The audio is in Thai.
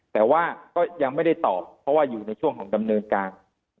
แต่ว่าก็ยังไม่ได้ตอบเพราะว่าอยู่ในช่วงของดำเนินการ